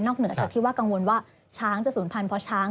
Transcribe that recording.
เหนือจากที่ว่ากังวลว่าช้างจะศูนย์พันธุ์ช้าง